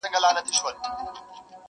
زړه ته را تیري زما درنې خورکۍ.!